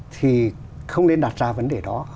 thì không nên đặt ra vấn đề đó